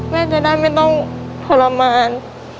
แม่จะได้ไม่ต้องทรมาน